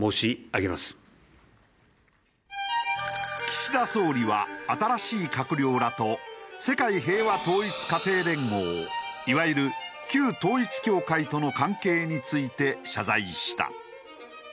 岸田総理は新しい閣僚らと世界平和統一家庭連合いわゆる旧統一教会との関係について謝罪した。